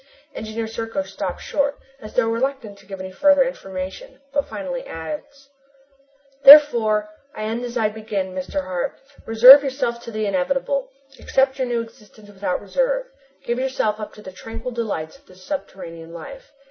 Engineer Serko stops short, as though reluctant to give any further information, but finally adds: "Therefore, I end as I began, Mr. Hart. Resign yourself to the inevitable. Accept your new existence without reserve. Give yourself up to the tranquil delights of this subterranean life.